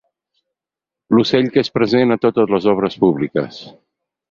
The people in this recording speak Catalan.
L'ocell que és present a totes les obres públiques.